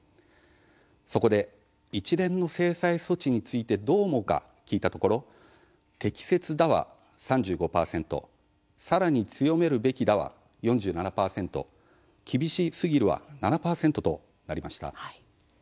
そこで、一連の制裁措置についてどう思うか聞いたところ「適切だ」は３５％「さらに強めるべきだ」は４７％「厳しすぎる」は７％となりました。